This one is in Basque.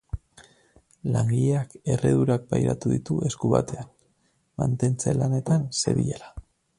Langileak erredurak pairatu ditu esku batean, mantentze-lanetan zebilela.